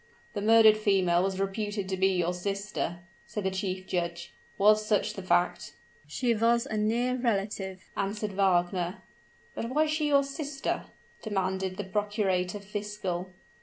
"The murdered female was reputed to be your sister," said the chief judge. "Was such the fact?" "She was a near relative," answered Wagner. "But was she your sister?" demanded the procurator fiscal.